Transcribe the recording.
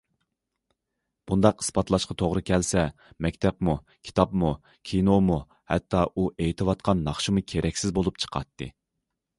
بۇنداق ئىسپاتلاشقا توغرا كەلسە مەكتەپمۇ، كىتابمۇ، كىنومۇ، ھەتتا ئۇ ئېيتىۋاتقان ناخشىمۇ كېرەكسىز بولۇپ چىقاتتى.